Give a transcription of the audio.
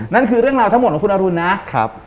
นั่นคือเรื่องราวทั้งหมดของคุณอรุณนะครับ